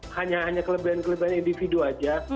hanya hanya kelebihan kelebihan individu saja